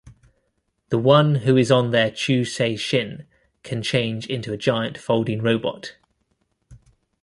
The one who is on their ChouSeiShin can change into a giant folding robot.